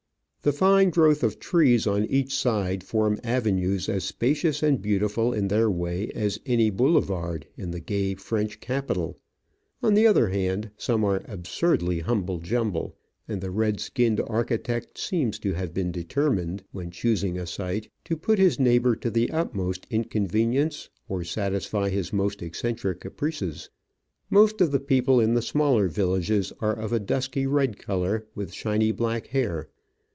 The fine growth of trees on each side form avenues as spacious and beautiful in their way as any boulevard in the gay French capital. On the other hand, some are absurdly humble jumble, and the red skinned architect seems to have been determined, when choosing a site, to put his neighbour to the utmost inconvenience or satisfy his most eccen tric caprices. Most of the people in the smaller villages are of a dusky red colour, with shiny black hair.